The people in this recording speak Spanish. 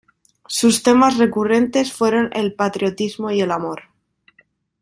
Sus temas recurrentes fueron el patriotismo y el amor.